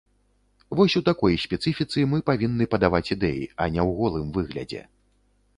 Вось у такой спецыфіцы мы павінны падаваць ідэі, а не ў голым выглядзе.